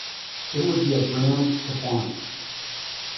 It would be a grand performance.